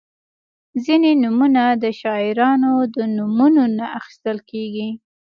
• ځینې نومونه د شاعرانو د نومونو نه اخیستل کیږي.